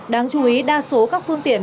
đáng chú ý đa số các phương tiện